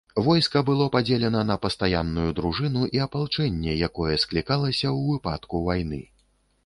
Войска было падзелена на пастаянную дружыну і апалчэнне, якое склікалася ў выпадку вайны.